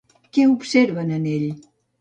Què observen en ell?